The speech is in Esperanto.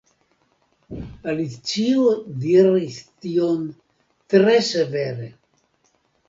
Alicio diris tion tre severe.